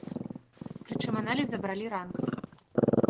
Прычым аналізы бралі ранкам.